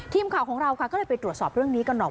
ทีมข่าวของเราค่ะก็เลยไปตรวจสอบเรื่องนี้กันหน่อย